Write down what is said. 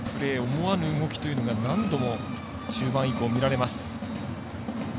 思わぬ動きというのが何度も中盤以降、見られます。